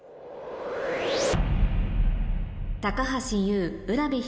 高橋ユウ卜部弘